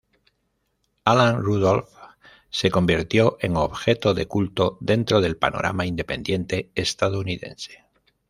Alan Rudolph se convirtió en objeto de culto dentro del panorama independiente estadounidense.